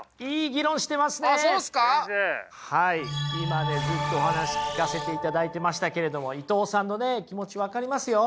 今ねずっとお話聞かせていただいてましたけれども伊藤さんのね気持ち分かりますよ。